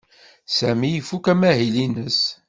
Sami ifuk amahil-nnes.